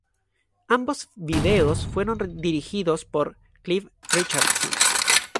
Ambos videos fueron dirigidos por Clive Richardson.